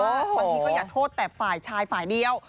บางทีก็อย่าโทษแต่ฝ่ายชายฝ่ายเดียว